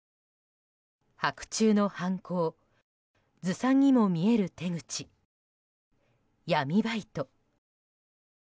白昼の犯行ずさんにも見える手口闇バイト。